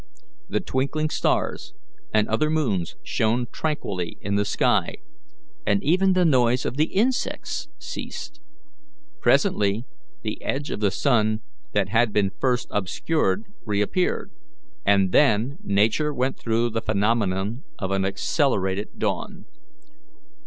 The twinkling stars and other moons shone tranquilly in the sky, and even the noise of the insects ceased. Presently the edge of the sun that had been first obscured reappeared, and then Nature went through the phenomenon of an accelerated dawn.